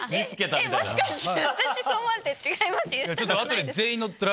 もしかして私そう思われてる違いますよ！